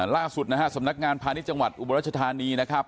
ล่าสุดนะฮะสำนักงานพาณิชย์จังหวัดอุบรัชธานีนะครับ